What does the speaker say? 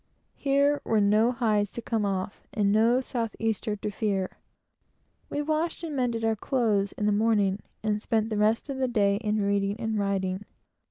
Here were no hides to come off, and no south easters to fear. We washed and mended our clothes in the morning, and spent the rest of the day in reading and writing.